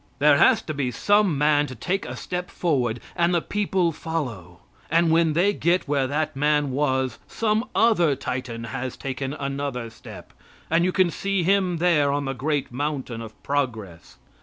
There has to be some man to take a step forward and the people follow; and when they get where that man was, some other Titan has taken another step, and you can see him there on the great mountain of progress.